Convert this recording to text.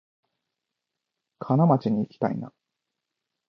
金町にいきたいな